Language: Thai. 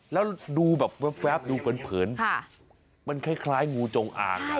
แล้วดูแบบแว๊บดูเผินมันคล้ายงูจงอาง